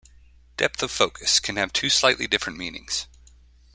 "Depth of focus" can have two slightly different meanings.